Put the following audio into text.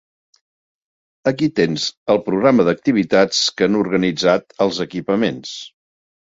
Aquí tens el programa d'activitats que han organitzat els equipaments.